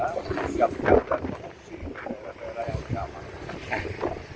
siap siap dan produksi di daerah daerah yang aman